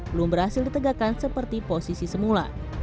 belum berhasil ditegakkan seperti posisi semula